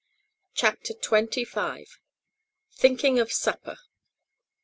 CHAPTER TWENTY FIVE. THINKING OF SUPPER.